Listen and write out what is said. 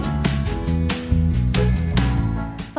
ดีจริงล่ะ